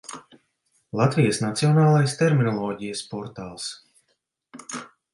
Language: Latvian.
Latvijas Nacionālais terminoloģijas portāls